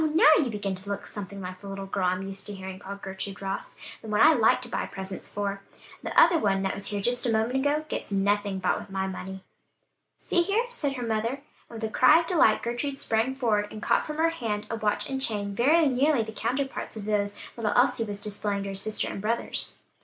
now, you begin to look something like the little girl I'm used to hearing called Gertrude Ross; the one I like to buy presents for; the other one that was here just a moment ago, gets nothing bought with my money." "See here," said her mother, and with a cry of delight Gertrude sprang forward and caught from her hand a watch and chain very nearly the counterparts of those little Elsie was displaying to her sister and brothers.